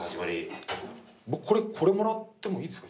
これもらってもいいですか？